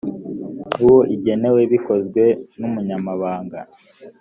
uwo igenewe bikozwe n umunyamabanga